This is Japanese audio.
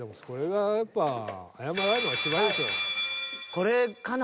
これかな？